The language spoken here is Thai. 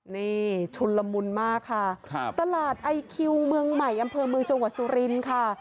นี่ชุนละมุนมากค่ะครับตลาดไอคิวเมืองใหม่อำเภอเมืองจังหวัดสุรินทร์ค่ะ